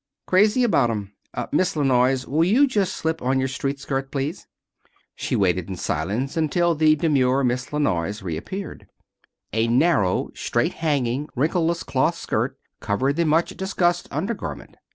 "Crazy about 'em. Miss La Noyes, will you just slip on your street skirt, please?" She waited in silence until the demure Miss La Noyes reappeared. A narrow, straight hanging, wrinkleless cloth skirt covered the much discussed under garment.